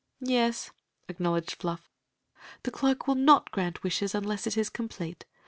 "Yes." acknowledged Fluff. "The cloak will not grant wishes unless it is complete.